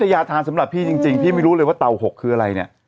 มาถามไม่ได้เลยเหรอ